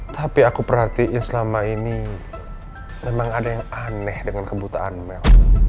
tapi aku perhatiin selama ini memang ada yang aneh dengan kebutaan mel